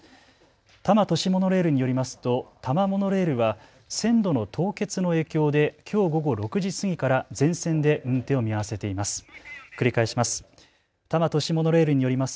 多摩都市モノレールによりますと多摩モノレールは線路の凍結の影響できょう午後６時過ぎから全線で運転を見合わせています。